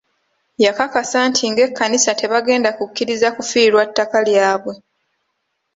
Yakakasa nti ng'ekkanisa tebagenda kukkiriza kufiirwa ttaka lyabwe.